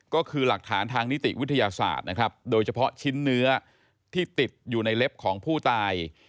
ก็คือหลักฐานทางนิติวิทยาศาสตร์นะครับโดยเฉพาะชิ้นเนื้อที่ติดอยู่ในเล็บของผู้ตาย